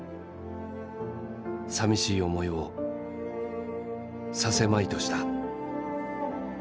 寂しい思いをさせまいとした。